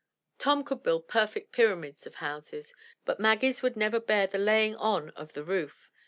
Tom could build perfect pyramids of houses, but Maggie's would never bear the laying on of the roof.